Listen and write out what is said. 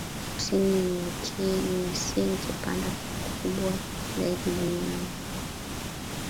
Kusini Miocene Kipanda kikubwa zaidi duniani hadi